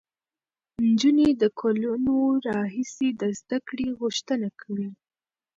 نجونې له کلونو راهیسې د زده کړې غوښتنه کوي.